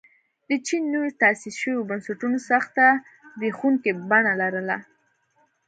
د چین نویو تاسیس شویو بنسټونو سخته زبېښونکې بڼه لرله.